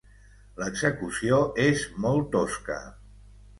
L'execució és molt tosca.